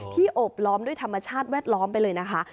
โอบล้อมด้วยธรรมชาติแวดล้อมไปเลยนะคะ